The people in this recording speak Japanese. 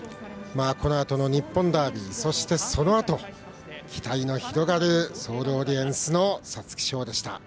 このあとの日本ダービーそして、そのあと期待の広がるソールオリエンスの皐月賞でした。